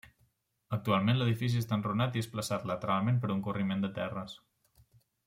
Actualment l'edifici està enrunat i desplaçat lateralment per un corriment de terres.